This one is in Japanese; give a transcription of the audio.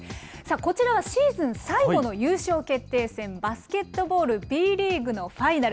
こちらはシーズン最後の優勝決定戦、バスケットボール・Ｂリーグのファイナル。